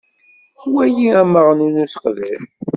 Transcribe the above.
Wali amaɣnu n useqdac:.